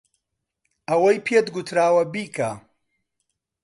ئەوەی پێت گوتراوە بیکە.